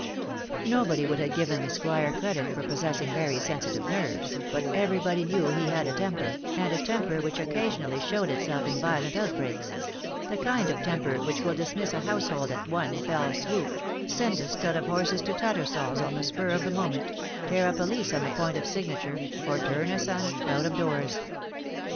Nobody would have given the Squire credit for possessing very sensitive nerves, but everybody knew he had a temper, and a temper which occasionally showed itself in violent outbreaks the kind of temper which will dismiss a household at one fell swoop, send a stud of horses to Tattersall's on the spur of the moment, tear up a lease on the point of signature, or turn a sou out of doors.